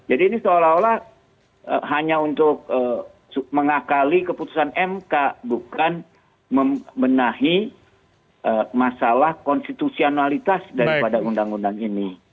jadi ini seolah olah hanya untuk mengakali keputusan mk bukan memenahi masalah konstitusionalitas daripada undang undang ini